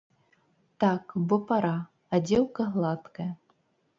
Так, бо пара, а дзеўка гладкая.